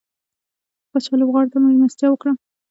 پاچا لوبغاړو ته ملستيا وکړه.